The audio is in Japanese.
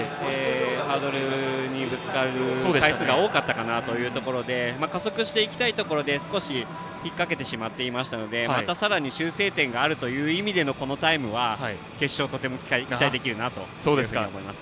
ハードルにぶつかる回数が多かったかなというところで加速していきたいところで少し引っ掛けてしまいましたのでまた、さらに修正点があるという意味でのこのタイムは、決勝でとても期待できると思います。